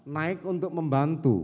naik untuk membantu